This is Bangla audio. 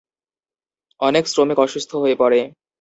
অনেক শ্রমিক অসুস্থ হয়ে পড়ে।